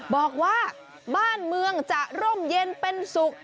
บอกว่าบ้านเมืองจะร่มเย็นเป็นสุข